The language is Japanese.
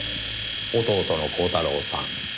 弟の光太郎さん。